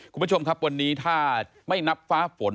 คุณผู้ชมครับวันนี้ถ้าไม่นับฟ้าฝน